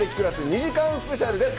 ２時間スペシャルです。